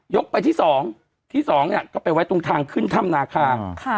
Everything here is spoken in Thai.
ไปที่สองที่สองเนี่ยก็ไปไว้ตรงทางขึ้นถ้ำนาคา